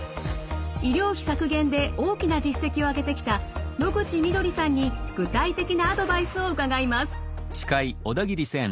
医療費削減で大きな実績を上げてきた野口緑さんに具体的なアドバイスを伺います。